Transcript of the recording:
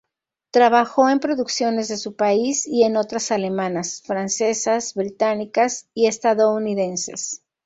Trabajó en producciones de su país y en otras alemanas, francesas, británicas y estadounidenses.